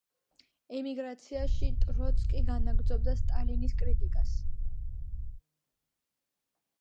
ემიგრაციაში ტროცკი განაგრძობდა სტალინის კრიტიკას.